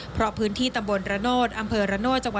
เพราะพื้นที่ตำบลรโนร